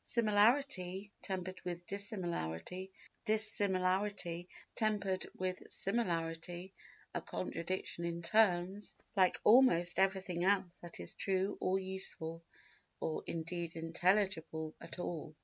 Similarity tempered with dissimilarity, and dissimilarity tempered with similarity—a contradiction in terms, like almost everything else that is true or useful or indeed intelligible at all.